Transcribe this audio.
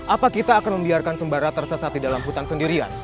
apa kita akan membiarkan sembara tersesat di dalam hutan sendirian